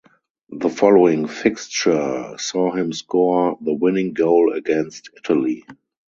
The following fixture saw him score the winning goal against Italy.